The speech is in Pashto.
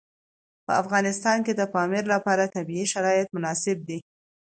په افغانستان کې د پامیر لپاره طبیعي شرایط مناسب دي.